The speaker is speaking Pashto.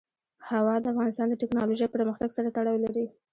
هوا د افغانستان د تکنالوژۍ پرمختګ سره تړاو لري.